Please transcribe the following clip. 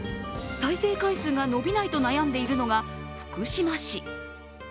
再生回数が伸びないと悩んでいるのが福島市。